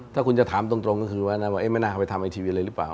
ถ้าคุณจะถามตรงก็คือว่าไม่น่าเอาไปทำไอทีวีเลยหรือเปล่า